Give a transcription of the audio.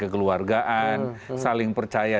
kekeluargaan saling percaya